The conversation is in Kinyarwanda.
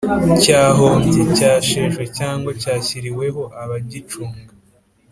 cyahombye, cyasheshwe cyangwa cyashyiriweho abagicunga;